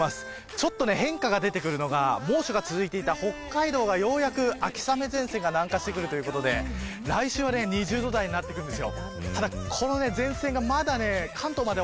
ちょっと変化が出てくるのが猛暑が続いていた北海道がようやく秋雨前線が南下してくるということで来週は２０度台になってきます。